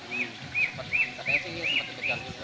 s i empat sempat dikejar juga